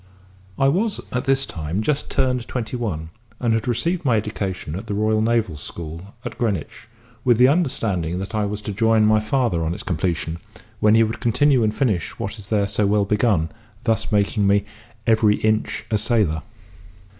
I was at this time just turned twenty one, and had received my education at the Royal Naval School at Greenwich, with the understanding that I was to join my father on its completion, when he would continue and finish what is there so well begun, thus making me "every inch a sailor."